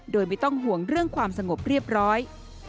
โดยไม่ต้องห่วงเรื่องความสงบเรียบร้อย